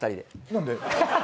何で？